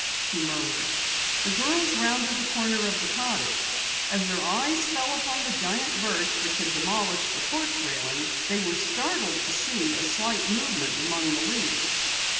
she murmured. The girls rounded the corner of the cottage. As their eyes fell upon the giant birch which had demolished the porch railing, they were startled to see a slight movement among the leaves.